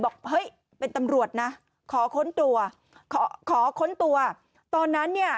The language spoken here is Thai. บอกเฮ้ยเป็นตำรวจนะขอค้นตัวขอขอค้นตัวตอนนั้นเนี่ย